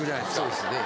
そうですね。